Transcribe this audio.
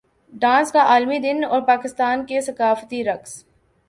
dance کا عالمی دن اور پاکستان کے ثقافتی رقص